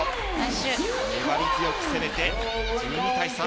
粘り強く攻めて１２対３。